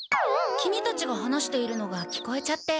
キミたちが話しているのが聞こえちゃって。